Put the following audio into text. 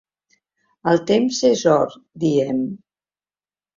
El temps és or, diem.